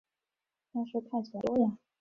但是看起来不多呀